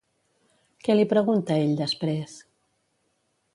Què li pregunta ell després?